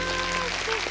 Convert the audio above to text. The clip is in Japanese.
すてき。